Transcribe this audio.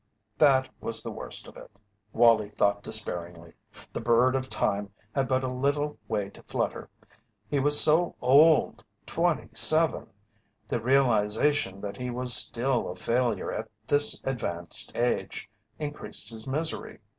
That was the worst of it, Wallie thought despairingly. The Bird of Time had but a little way to flutter. He was so old twenty seven! The realization that he was still a failure at this advanced age increased his misery.